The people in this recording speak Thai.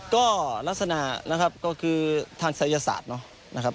ก็ลักษณะนะครับก็คือทางศัยศาสตร์เนาะนะครับ